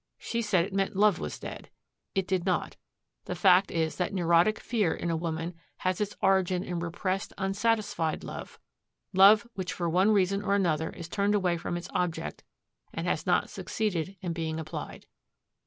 She said it meant love was dead. It did not. The fact is that neurotic fear in a woman has its origin in repressed, unsatisfied love, love which for one reason or another is turned away from its object and has not succeeded in being applied.